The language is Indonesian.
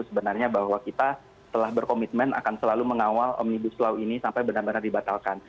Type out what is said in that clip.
sebenarnya bahwa kita telah berkomitmen akan selalu mengawal omnibus law ini sampai benar benar dibatalkan